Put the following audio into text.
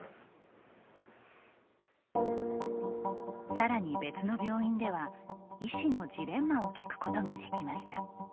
さらに別の病院では医師のジレンマを聞くことができました。